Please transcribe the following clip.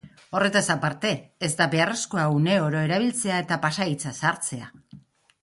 Horretaz aparte, ez da beharrezkoa uneoro erabiltzailea eta pasahitza sartzea.